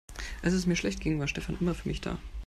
Als es mir schlecht ging, war Stefan immer für mich da.